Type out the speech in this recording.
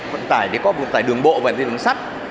vận tải thì có vận tải đường bộ vận tải đường sắt